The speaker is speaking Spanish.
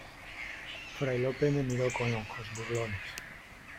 fray Lope me miró con ojos burlones: